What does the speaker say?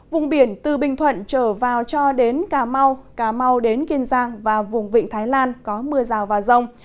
vùng biển từ bình thuận trở vào cho đến cà mau cà mau đến kiên giang và vùng vịnh thái lan có mưa rào và rông